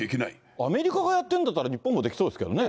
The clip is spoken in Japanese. アメリカがやってんだったら、日本もできそうですけどね。